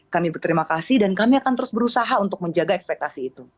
kami berterima kasih dan kami akan terus berusaha untuk menjaga ekspektasi itu